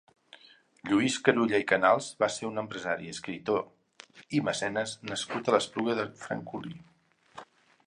Lluís Carulla i Canals va ser un empresari, escriptor i mecenes nascut a l'Espluga de Francolí.